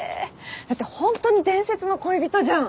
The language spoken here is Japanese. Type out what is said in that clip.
だってほんとに伝説の恋人じゃん。